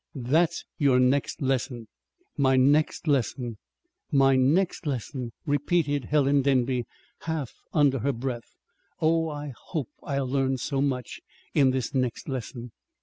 That's your next lesson." "My next lesson my next lesson," repeated Helen Denby, half under her breath. "Oh, I hope I'll learn so much in this next lesson!